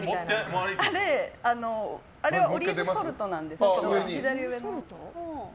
あれはオリーブソルトなんですけど。